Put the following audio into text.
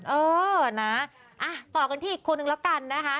เออนะต่อกันที่อีกคนนึงแล้วกันนะคะ